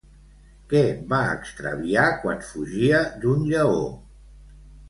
Què va extraviar quan fugia d'un lleó?